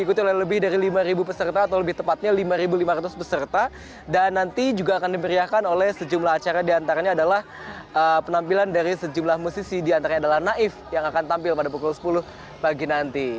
ketiga penampilan dari sejumlah musisi di antaranya adalah naif yang akan tampil pada pukul sepuluh pagi nanti